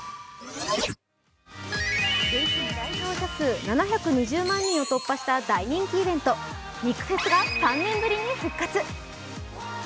累計来場者数７２０万人を突破した大人気イベント、肉フェスが３年ぶりに復活。